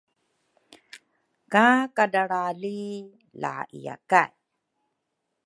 Ka kadralra li la iya kay